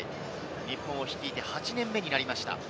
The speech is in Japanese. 日本を率いて８年目になりました。